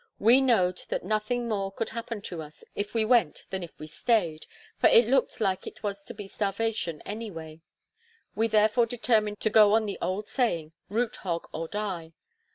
We know'd that nothing more could happen to us if we went than if we staid, for it looked like it was to be starvation any way; we therefore determined to go on the old saying, root hog or die.